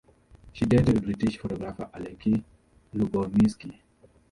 She dated British photographer Alexi Lubomirski.